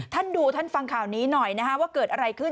ท่านดูท่านฟังข่าวนี้หน่อยนะฮะว่าเกิดอะไรขึ้น